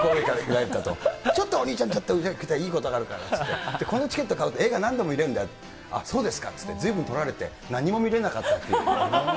ちょっとお兄ちゃん、ちょっと裏行くといいことあるからって、このチケット買うと映画なんでも見れるんだよって言って、あっ、そうですかって言って、ずいぶんとられて、何も見れなかったっていう。